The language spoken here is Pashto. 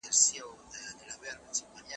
بايد عرضه او تقاضا په بازار کې مساوي سي.